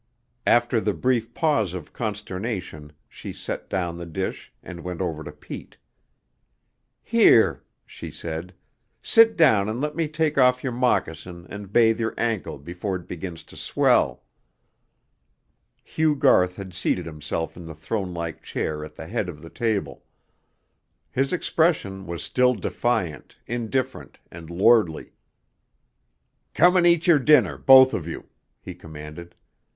After the brief pause of consternation she set down the dish and went over to Pete. "Here," she said, "sit down and let me take off your moccasin and bathe your ankle before it begins to swell." Hugh Garth had seated himself in the thronelike chair at the head of the table. His expression was still defiant, indifferent, and lordly. "Come and eat your dinner, both of you," he commanded.